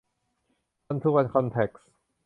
วันทูวัน คอนแทคส์